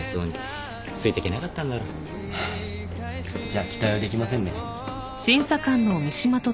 じゃあ期待はできませんね。